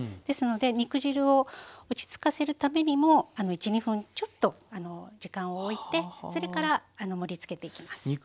ですので肉汁を落ち着かせるためにも１２分ちょっと時間をおいてそれから盛りつけていきます。